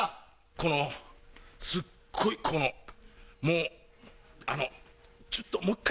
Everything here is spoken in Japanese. このすごいこのもうあのちょっともう１回。